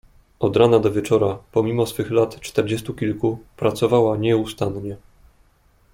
"Od rana do wieczora, pomimo swych lat czterdziestu kilku, pracowała nieustannie."